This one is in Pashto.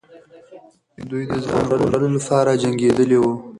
دوی د ځان ژغورلو لپاره جنګېدلې وو.